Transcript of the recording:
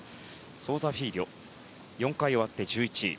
ソウザフィーリョ４回終わって１１位。